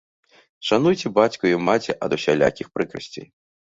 Шануйце бацьку і маці ад усялякіх прыкрасцей.